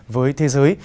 với thế giới